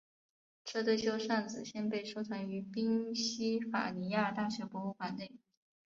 这对旧扇子现被收藏于宾夕法尼亚大学博物馆内。